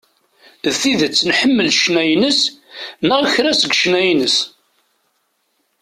D tidet nḥemmel ccna-ines, neɣ kra seg ccna-ines.